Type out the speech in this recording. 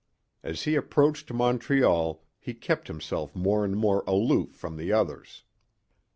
As he approached Montreal he kept himself more and more aloof from the others.